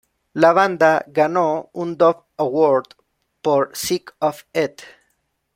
La banda ganó un Dove Award por "Sick of It.